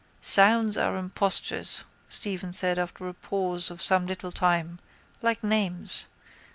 —Sounds are impostures, Stephen said after a pause of some little time, like names.